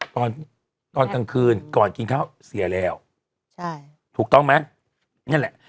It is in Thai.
ตอนตอนกลางคืนก่อนกินข้าวเสียแล้วใช่ถูกต้องไหมนั่นแหละ